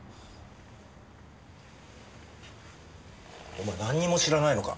お前なんにも知らないのか？